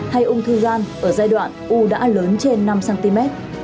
hay ung thư gan ở giai đoạn u đã lớn trên năm cm